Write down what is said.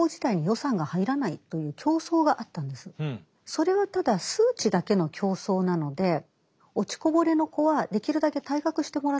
それはただ数値だけの競争なので落ちこぼれの子はできるだけ退学してもらった方が平均点は上がる。